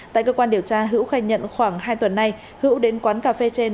tại cơ quan điều tra hiếu khai nhận khoảng hai tuần nay hiếu đến quán cà phê trên